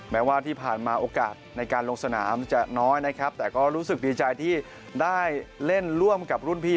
แม้ว่าที่ผ่านมาโอกาสในการลงสนามจะน้อยนะครับแต่ก็รู้สึกดีใจที่ได้เล่นร่วมกับรุ่นพี่